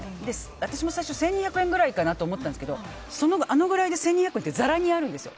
私も最初１２００円ぐらいかなと思ったんですけどあのぐらいで１２００円ってざらにあるんですよ。